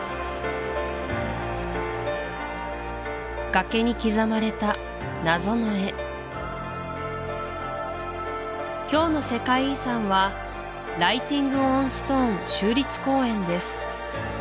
崖に刻まれた今日の世界遺産はライティング・オン・ストーン州立公園です